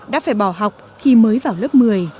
đã phải bỏ học khi mới vào lớp một mươi